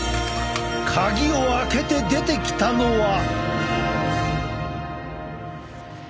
鍵を開けて出てきたのは。